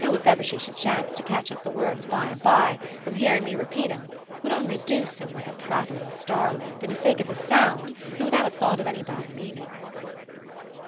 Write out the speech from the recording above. if ever she should chance to catch up the words by and by, from hearing me repeat 'cm, would only do so. like a prattling starling, for the sake of the sound, and without a thought of any bad meaning."